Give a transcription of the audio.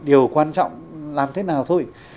điều quan trọng làm thế nào thôi